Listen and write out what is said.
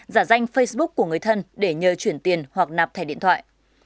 giả danh facebook của người thân để nhờ chuyển tiền hoặc nạp thẻ điện thoại